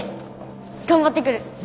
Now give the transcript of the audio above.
頑張ってくる。